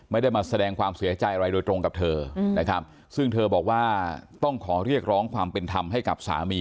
ไม่ได้มาแสดงความเสียใจอะไรโดยตรงกับเธอนะครับซึ่งเธอบอกว่าต้องขอเรียกร้องความเป็นธรรมให้กับสามี